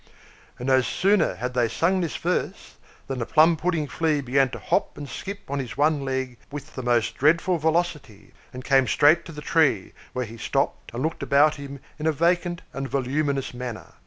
And no sooner had they sung this verse than the Plum pudding Flea began to hop and skip on his one leg with the most dreadful velocity, and came straight to the tree, where he stopped, and looked about him in a vacant and voluminous manner.